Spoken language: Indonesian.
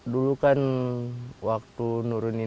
dulu kan waktu nurunnya